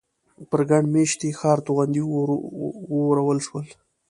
پر ګڼ مېشتي ښار توغندي وورول شول.